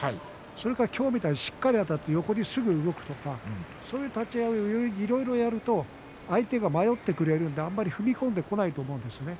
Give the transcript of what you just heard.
それが今日みたいにしっかりあたって横にすぐ動くとかそういう立ち合いをいろいろやると相手が迷ってくれるのであんまり踏み込んでこないんだと思うんですね。